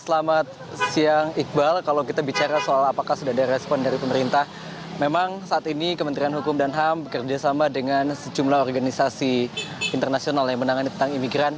selamat siang iqbal kalau kita bicara soal apakah sudah ada respon dari pemerintah memang saat ini kementerian hukum dan ham bekerjasama dengan sejumlah organisasi internasional yang menangani tentang imigran